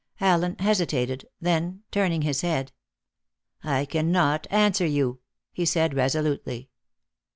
Allen hesitated; then, turning away his head: "I cannot answer you," he said resolutely.